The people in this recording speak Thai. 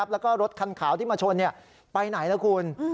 แล้วก็รถคันขาวที่มาชนไปไหนล่ะคุณ